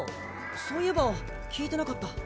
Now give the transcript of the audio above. そういえば聞いてなかった。